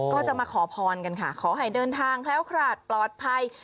ก็จะมาขอพรกันค่ะขอให้เดินทางแคล้วคลาดปลอดภัย